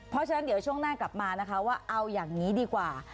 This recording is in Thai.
เพราะฉะนั้นเดี๋ยวช่วงหน้ากลับมานะคะว่าเอาอย่างนี้ดีกว่า